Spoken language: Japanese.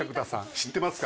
知ってますか？